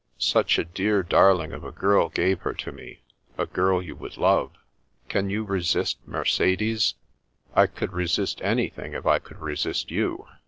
Such a dear darling of a girl gave her to me, a girl you would love. Can you resist Mercedes ?"" I could resist an)rthing if I could resist you.